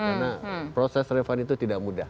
karena proses refund itu tidak mudah